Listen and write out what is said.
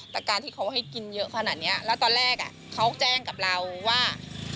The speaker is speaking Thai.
แต่การที่เขาให้กินเยอะขนาดนี้แล้วตอนแรกเขาแจ้งกับเราว่า